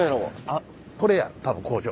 あっこれや多分工場。